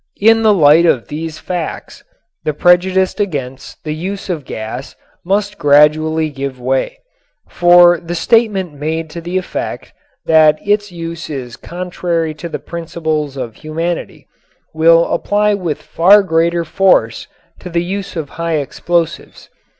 In the light of these facts the prejudice against the use of gas must gradually give way; for the statement made to the effect that its use is contrary to the principles of humanity will apply with far greater force to the use of high explosives.